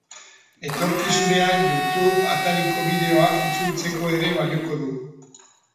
Etorkizunean youtube atariko bideoak itzultzeko ere balioko du.